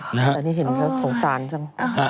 อันนี้เพราะสงสารซ้ำ